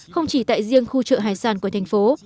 không chỉ tại riêng khu chợ hải sản của thành phố